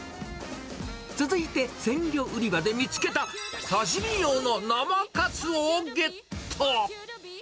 続いて、鮮魚売り場で見つけた、刺身用の生カツオをゲット。